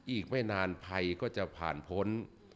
อีกไม่นานภัยก็จะผ่านพ้น